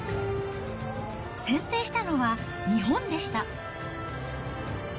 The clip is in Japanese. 先制したのは日本でした。